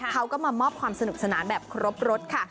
เขาก็มามอบความสนุกสนานแบบครบรถค่ะ